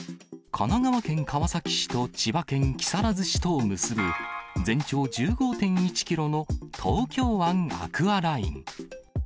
神奈川県川崎市と千葉県木更津市とを結ぶ、全長１５．１キロの東京湾アクアライン。